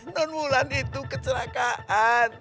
non ulan itu kecelakaan